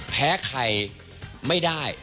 แพ้ใครไม่ได้